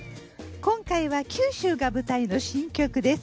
今回は九州が舞台の新曲です。